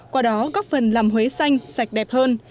qua đó góp phần làm huế xanh sạch đẹp hơn